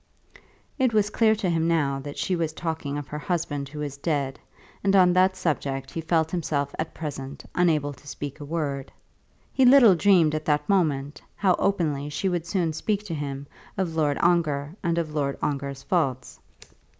It was clear to him now that she was talking of her husband who was dead, and on that subject he felt himself at present unable to speak a word. He little dreamed at that moment how openly she would soon speak to him of Lord Ongar and of Lord Ongar's faults!